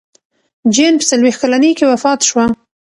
جین په څلوېښت کلنۍ کې وفات شوه.